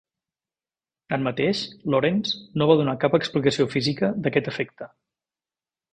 Tanmateix, Lorentz no va donar cap explicació física d'aquest efecte.